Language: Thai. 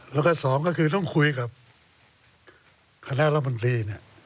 แล้วก็สองก็คือต้องคุยกับคณะรับบัญธี